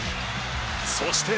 そして。